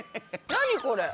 何これ！？